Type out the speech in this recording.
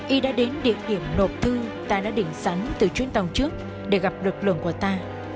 y đã đến địa điểm nộp thư ta đã đỉnh sắn từ chuyến tàu trước để gặp lực lượng của ta